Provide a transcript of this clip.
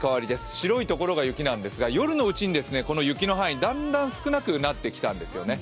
白いところが雪なんですが、夜のうちにこの雪の範囲、だんだん少なくなってきたんですよね。